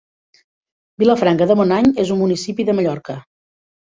Vilafranca de Bonany és un municipi de Mallorca.